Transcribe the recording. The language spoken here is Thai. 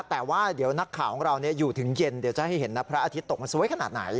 แต่ว่าเดี๋ยวนักข่าวของเราอยู่ถึงเย็นเดี๋ยวจะให้เห็นนะพระอาทิตย์ตกมันสวยขนาดไหน